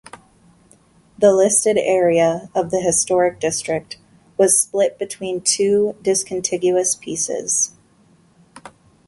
The listed area of the historic district was split between two discontiguous pieces.